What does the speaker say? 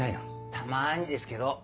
たまにですけど。